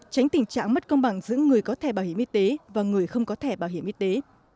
tránh tình trạng mất công bằng giữa người có thẻ bảo hiểm y tế và người không có thẻ bảo hiểm y tế